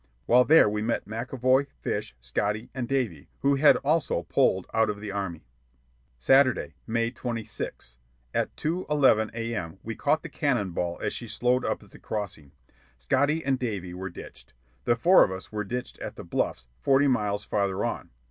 While there, we met McAvoy, Fish, Scotty, and Davy, who had also pulled out from the Army. "Saturday, May 26th. At 2.11 A.M. we caught the Cannonball as she slowed up at the crossing. Scotty and Davy were ditched. The four of us were ditched at the Bluffs, forty miles farther on.